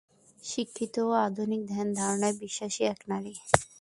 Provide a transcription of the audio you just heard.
শিক্ষিত এবং আধুনিক ধ্যান ধারণায় বিশ্বাসী এক নারী।